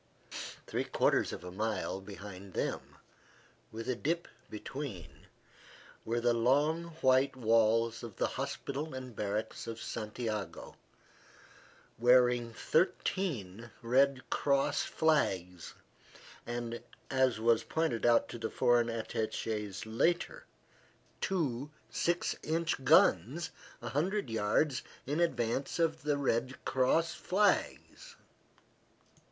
Three quarters of a mile behind them, with a dip between, were the long white walls of the hospital and barracks of Santiago, wearing thirteen Red Cross flags, and, as was pointed out to the foreign attaches later, two six inch guns a hundred yards in advance of the Red Cross flags.